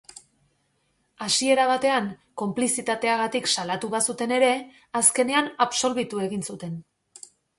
Hasiera batean konplizitateagatik salatu bazuten ere, azkenean absolbitu egin zuten.